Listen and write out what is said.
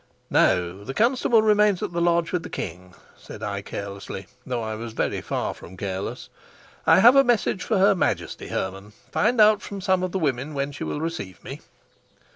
"No, the constable remains at the lodge with the king," said I carelessly, though I was very far from careless. "I have a message for her Majesty, Hermann. Find out from some of the women when she will receive me."